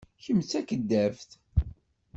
Kemm d takeddabt.